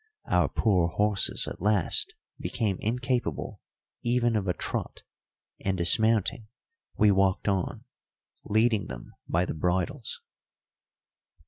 Our poor horses at last became incapable even of a trot, and, dismounting, we walked on, leading them by the bridles.